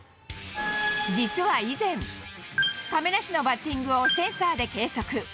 実は以前、亀梨のバッティングをセンサーで計測。